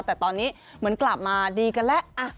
แต่ตอนนี้เหมือนกลับมาดีกันแล้ว